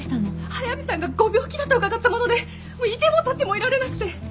速見さんがご病気だと伺ったもので居ても立ってもいられなくて。